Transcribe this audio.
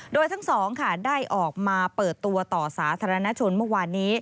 โดยทั้งสองค่ะได้ออกมาเปิดตัวต่อสาธารณชนเมื่อวานนี้